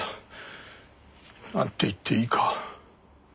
なんて言っていいか。